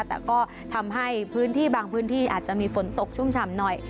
แต่ก็ทำให้พื้นที่บางพื้นที่อาจจะมีฝนตกชุ่มฉ่ำหน่อย